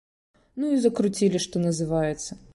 Ну і закруцілі, што называецца.